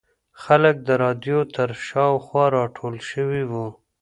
خلک د رادیو تر شاوخوا راټول شوي وو.